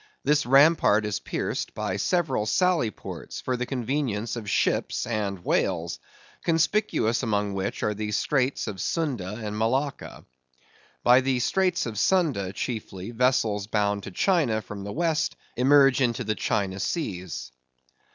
This rampart is pierced by several sally ports for the convenience of ships and whales; conspicuous among which are the straits of Sunda and Malacca. By the straits of Sunda, chiefly, vessels bound to China from the west, emerge into the China seas.